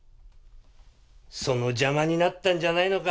その邪魔になったんじゃないのか？